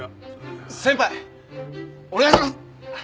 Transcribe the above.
先輩お願いします！